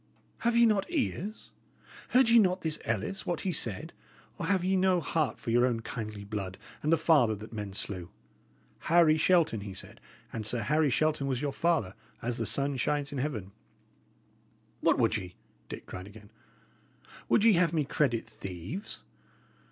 Have ye not ears? Heard ye not this Ellis, what he said? or have ye no heart for your own kindly blood and the father that men slew? 'Harry Shelton,' he said; and Sir Harry Shelton was your father, as the sun shines in heaven." "What would ye?" Dick cried again. "Would ye have me credit thieves?"